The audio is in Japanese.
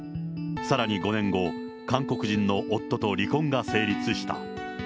さらに５年後、韓国人の夫と離婚が成立した。